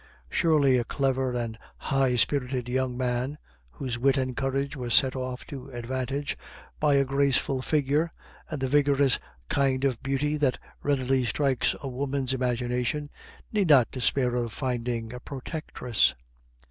Surely a clever and high spirited young man, whose wit and courage were set off to advantage by a graceful figure and the vigorous kind of beauty that readily strikes a woman's imagination, need not despair of finding a protectress.